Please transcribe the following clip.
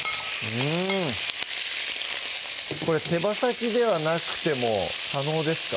うんこれ手羽先ではなくても可能ですか？